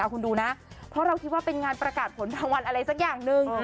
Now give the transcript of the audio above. คุณดูนะเพราะเราคิดว่าเป็นงานประกาศผลรางวัลอะไรสักอย่างหนึ่ง